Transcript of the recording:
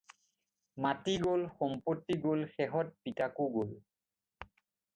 মাটি গ'ল, সম্পত্তি গ'ল, শেহত পিতাকো গ'ল।